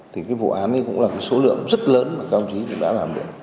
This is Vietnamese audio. thì cái vụ án ấy cũng là số lượng rất lớn mà công chí cũng đã làm được